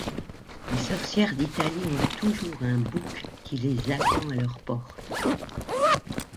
Les sorcières d’Italie ont toujours un bouc qui les attend à leur porte.